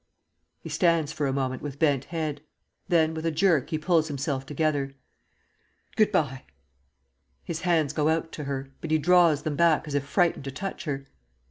(He stands for a moment with bent head; then with a jerk he pulls himself together.) Good bye! (_His hands go out to her, but he draws them back as if frightened to touch her.